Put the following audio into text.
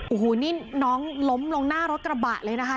โอ้โหนี่น้องล้มลงหน้ารถกระบะเลยนะคะ